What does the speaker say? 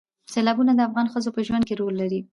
سیلابونه د افغان ښځو په ژوند کې رول لري.